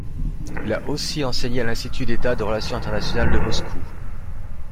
Il a aussi enseigné à l'Institut d'État des relations internationales de Moscou.